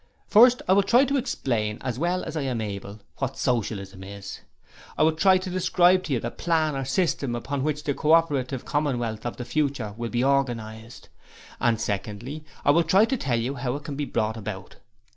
First, I will try to explain as well as I am able what Socialism is. I will try to describe to you the plan or system upon which the Co operative Commonwealth of the future will be organized; and, secondly, I will try to tell you how it can be brought about.